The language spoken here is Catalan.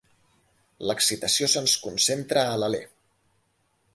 L'excitació se'ns concentra a l'alè.